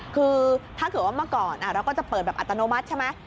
คือถ้าเกิดว่าเมื่อก่อนเราก็จะเปิดแบบอัตโนมัติใช่ไหม